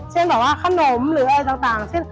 เช่นแบบว่าขนมหรืออะไรต่าง